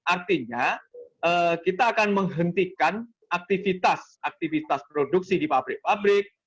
artinya kita akan menghentikan aktivitas produksi di pabrik